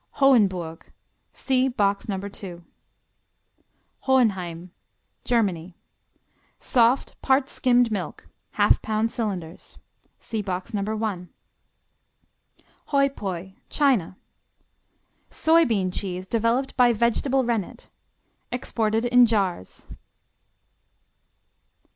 Hohenburg see Box No. II. Hohenheim Germany Soft; part skimmed milk; half pound cylinders. (See Box No. I.) Hoi Poi China Soybean cheese, developed by vegetable rennet. Exported in jars.